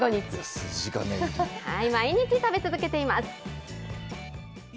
毎日食べ続けています。